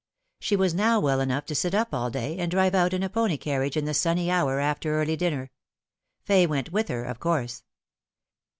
She was now well enough to sib up all day, and to drive out in a pony carriage in the sunny hour after early dinner. Fay went with her, of course.